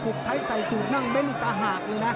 ถูกไทยใส่สูกนั่งไว้หนึ่งต่อหากเลยนะ